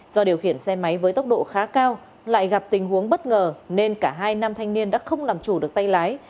do điều khiển xe máy với tốc độ khá cao lại gặp tình huống bất ngờ nên cả hai nam thanh niên đã không làm chủ được tay lái